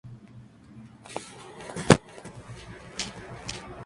En el fondo es un mero gerente privilegiado de la polis.